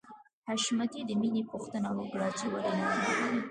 حشمتي د مینې پوښتنه وکړه چې ولې نده راغلې